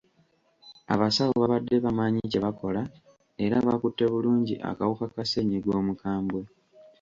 Abasawo babadde bamanyi kye bakola era bakutte bulungi akawuka ka ssennyiga omukambwe.